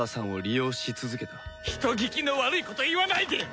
人聞きの悪いこと言わないで！